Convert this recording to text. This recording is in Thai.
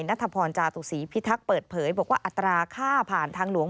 นัทพรจาตุศรีพิทักษ์เปิดเผยบอกว่าอัตราค่าผ่านทางหลวง